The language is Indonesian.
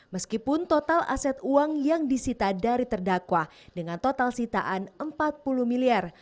meskipun total aset uang yang disita dari terdakwa dengan total sitaan empat puluh miliar